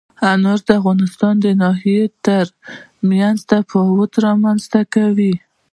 انار د افغانستان د ناحیو ترمنځ تفاوتونه رامنځ ته کوي.